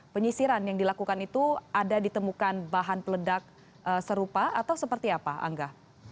penyisiran yang dilakukan itu ada ditemukan bahan peledak serupa atau seperti apa angga